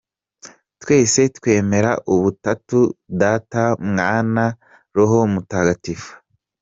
Twese twemera ubutatu Data, Mwana na Roho Mutagatifu.